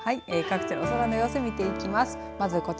各地の空の様子を見ていきます。